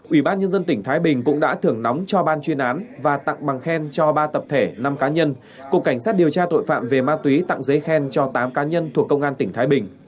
ủy ban nhân dân tỉnh thái bình cũng đã thưởng nóng cho ban chuyên án và tặng bằng khen cho ba tập thể năm cá nhân cục cảnh sát điều tra tội phạm về ma túy tặng giấy khen cho tám cá nhân thuộc công an tỉnh thái bình